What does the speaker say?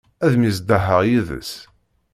Ad myeẓḍaḥeɣ yid-s.